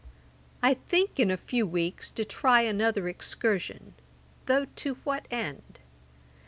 'I think in a few weeks to try another excursion; though to what end?